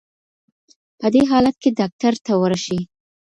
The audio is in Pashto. په دې حالت کي ډاکټر ته ورشئ.